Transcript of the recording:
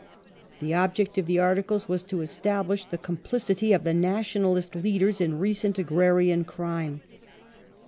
The object of the ai ticles was to estab lish the complicity of the Nationalist leaders in recent agrarian crime.